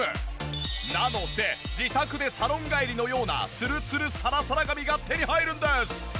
なので自宅でサロン帰りのようなツルツルさらさら髪が手に入るんです！